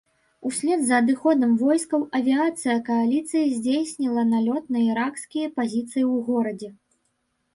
Услед за адыходам войскаў авіяцыя кааліцыі здзейсніла налёт на іракскія пазіцыі ў горадзе.